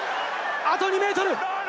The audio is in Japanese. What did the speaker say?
あと２ｍ！